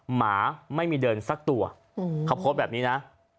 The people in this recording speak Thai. หมาไม่มีเดินสักตัวขบคบแบบนี้นะ